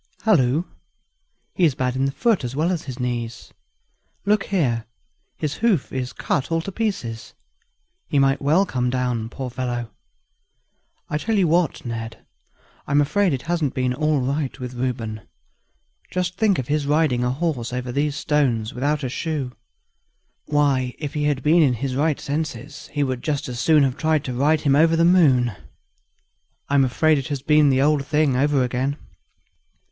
"Halloo! he's bad in his foot as well as his knees. Look here his hoof is cut all to pieces; he might well come down, poor fellow! I tell you what, Ned, I'm afraid it hasn't been all right with Reuben. Just think of his riding a horse over these stones without a shoe! Why, if he had been in his right senses he would just as soon have tried to ride him over the moon. I'm afraid it has been the old thing over again.